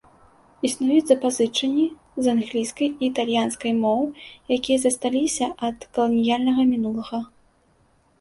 Існуюць запазычанні з англійскай і італьянскай моў, якія засталіся ад каланіяльнага мінулага.